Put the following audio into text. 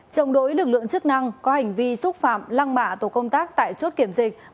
chống đối lực lượng chức năng có hành vi xúc phạm lăng mạ tổ công tác tại chốt kiểm dịch